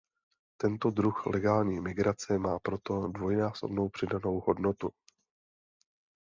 Tento druh legální migrace má proto dvojnásobnou přidanou hodnotu.